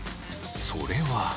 それは。